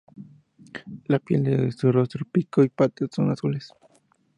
La piel de su rostro, pico y patas son azules.